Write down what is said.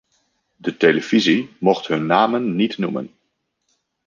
De televisie mocht hun namen niet noemen.